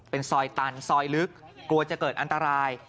เป็นซอยตันซอยลึกกลัวจะเกิดอันตราย